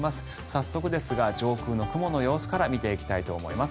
早速ですが上空の雲の様子から見ていきたいと思います。